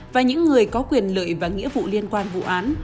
và những người có quyền lợi và nghĩa vụ liên quan vụ án